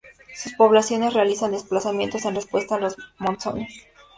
Sus poblaciones realizan desplazamientos en respuesta a los monzones.